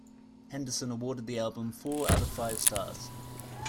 Henderson awarded the album four out of five stars.